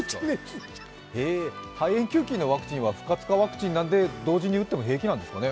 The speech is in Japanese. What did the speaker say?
肺炎球菌のワクチンは不活化ワクチンなので同時に打っても平気なんですかね？